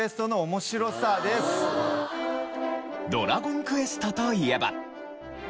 『ドラゴンクエスト』といえば。